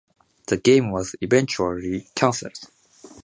The game was eventually cancelled.